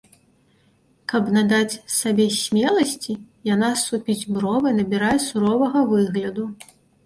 Каб надаць сабе смеласці, яна супіць бровы, набірае суровага выгляду.